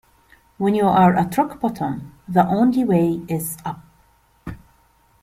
When you're at rock bottom, the only way is up.